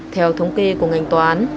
theo thống kê của ngành tòa